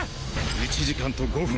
１時間と５分。